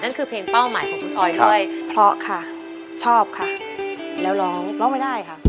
คือเพลงเป้าหมายของคุณออยด้วยเพราะค่ะชอบค่ะแล้วร้องร้องไม่ได้ค่ะ